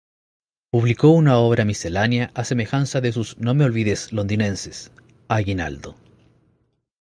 Publicó una obra miscelánea a semejanza de sus "No me olvides" londinenses, "Aguinaldo".